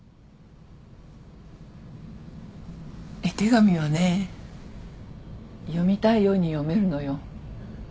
絵手紙はね読みたいように読めるのよ。